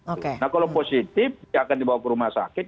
nah kalau positif dia akan dibawa ke rumah sakit